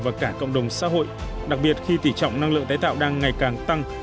và cả cộng đồng xã hội đặc biệt khi tỉ trọng năng lượng tái tạo đang ngày càng tăng